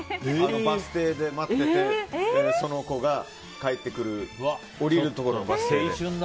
バス停で待っててその子が、帰ってくる降りるところのバス停で。